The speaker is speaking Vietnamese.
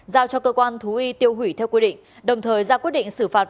giao cho cơ quan thú y tiêu hủy theo quy định đồng thời ra quyết định xử phạt